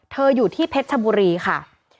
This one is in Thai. อยู่ที่เพชรชบุรีค่ะ